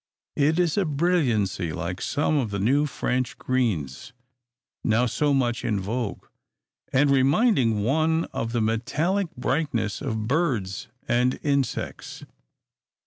It is a brilliancy like some of the new French greens, now so much in vogue, and reminding one of the metallic brightness of birds and insects.